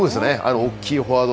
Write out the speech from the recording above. おっきいフォワード